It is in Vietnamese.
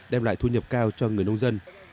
đem lại thu nhập cao cho người nông dân